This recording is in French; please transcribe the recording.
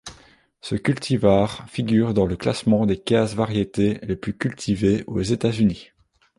Ce cultivar figure dans le classement des quinze variétés les plus cultivées aux États-Unis.